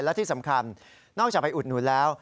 และที่สำคัญนอกจากไปอุดหนุนแล้ว